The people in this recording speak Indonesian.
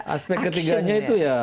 aspek ketiganya itu ya